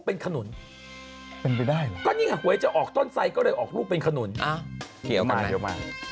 เศษฐกิจอย่างนี้พุบ